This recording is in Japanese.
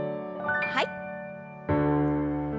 はい。